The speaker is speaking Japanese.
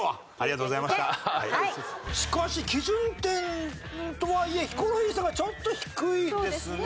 しかし基準点とはいえヒコロヒーさんがちょっと低いですね。